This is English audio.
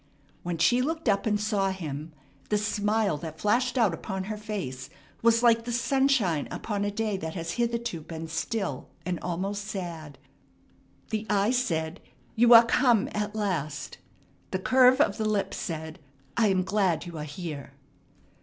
When she looked up and saw him, the smile that flashed out upon her face was like the sunshine upon a day that has hitherto been still and almost sad. The eyes said, "You are come at last!" The curve of the lips said, "I am glad you are here!"